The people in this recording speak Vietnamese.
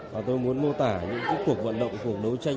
và tôi muốn mô tả những cuộc vận động cuộc đấu tranh